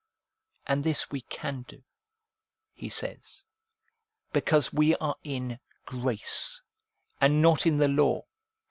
And this we can do, he says, because we are in grace, and not in the law.